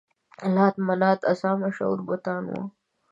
لات، منات، عزا مشهور بتان وو.